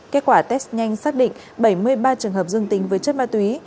kết quả test nhanh xác định bảy mươi ba trường hợp dương tính với chất ma túy